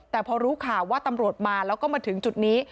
แต่พอรู้ข่าวว่าตำรวจมาแล้วก็มาถึงจุดนี้